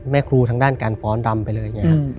แม่ครูทางด้านการฟ้อนรำไปเลย